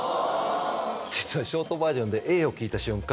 実はショートバージョンでＡを聴いた瞬間